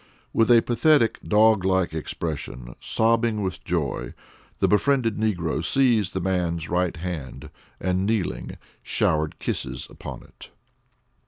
With a pathetic, dog like expression, sobbing with joy, the befriended negro seized the man's right hand and, kneeling, showered kisses upon it.